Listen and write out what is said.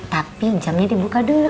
tapi jamnya dibuka dulu